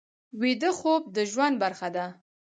ویده خوب د ژوند برخه ده